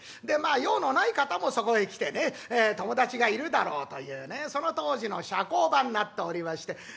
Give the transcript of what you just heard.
でまあ用のない方もそこへ来てね友達がいるだろうというねその当時の社交場になっておりまして。